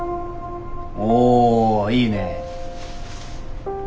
おいいね。